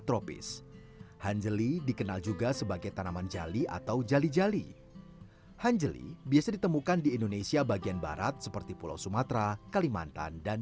terima kasih terima kasih terima kasih